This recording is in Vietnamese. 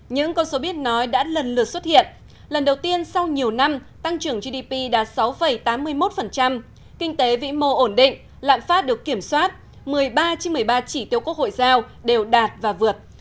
những con số biết nói đã lần lượt xuất hiện lần đầu tiên sau nhiều năm tăng trưởng gdp đạt sáu tám mươi một kinh tế vĩ mô ổn định lạm phát được kiểm soát một mươi ba trên một mươi ba chỉ tiêu quốc hội giao đều đạt và vượt